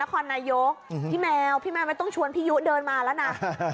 คอนนายกพี่แมวพี่แมวไม่ต้องชวนพี่ยุเดินมาแล้วนะ